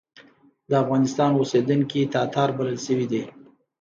د افغانستان اوسېدونکي تاتار بلل شوي دي.